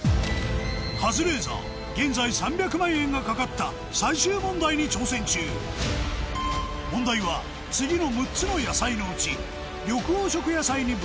カズレーザー現在３００万円が懸かった最終問題に挑戦中問題はというもの